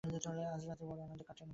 আজ রাত্রি বড় আনন্দে কাটান গিয়াছে।